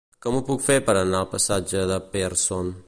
Com ho puc fer per anar al passatge de Pearson?